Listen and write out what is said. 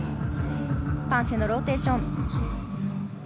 パンシェのローテーション。